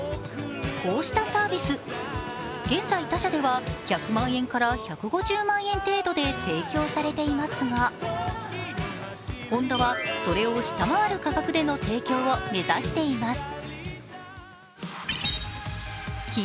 こうしたサービス、現在他社では１００万円から１５０万円程度で提供されていますがホンダはそれを下回る価格での提供を目指しています。